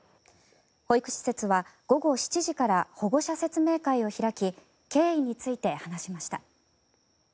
保育施設は午後７時から保護者説明会を開き経緯について話しました。